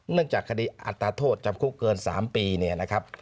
จากคดีอัตราโทษจำคุกเกิน๓ปีเนี่ยนะครับ